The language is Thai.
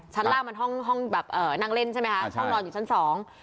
ชั้นล่างมันห้องนั่งเล่นใช่ไหมคะนอนอยู่ชั้น๒